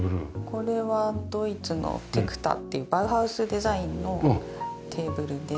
これはドイツのテクタっていうバウハウスデザインのテーブルで。